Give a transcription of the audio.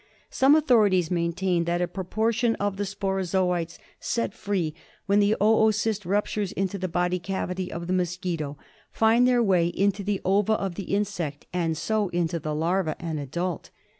Some authorities maintain that a proportion of the sporozoites, set free when the oocyst ruptures into the body cavity of the mosquito, find their way into the ova of the insect and so into the larva and adult.